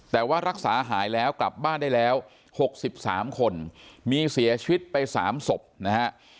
แต่ว่ารักษาหายแล้วกลับบ้านได้แล้ว๖๓คนมีเสียชีวิตไป๓ศพนะฮะ